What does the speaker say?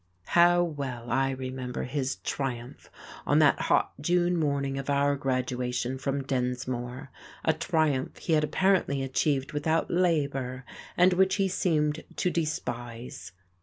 How well I remember his triumph on that hot, June morning of our graduation from Densmore, a triumph he had apparently achieved without labour, and which he seemed to despise.